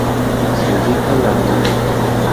Se ubica en la Av.